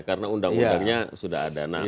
karena undang undangnya sudah ada